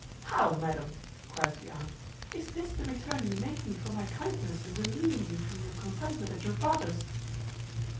"How! madam!" cries the aunt; "is this the return you make me for my kindness in relieving you from your confinement at your father's?"